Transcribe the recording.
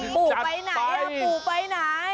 ปู่ไปไหนล่ะปู่ไปไหน